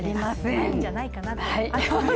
ないんじゃないかなと。